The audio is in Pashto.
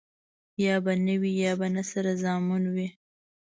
يا به نه وي ،يا به نه سره زامن وي.